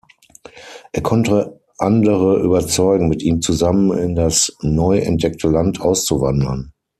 Er konnte andere überzeugen, mit ihm zusammen in das neu entdeckte Land auszuwandern.